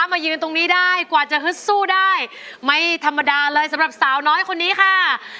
มายืนตรงนี้ได้กว่าจะฮึดสู้ได้ไม่ธรรมดาเลยสำหรับสาวน้อยคนนี้ค่ะ